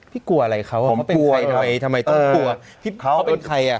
พี่กลัวอะไรเขาเขาเป็นใครทำไมทำไมต้องกลัว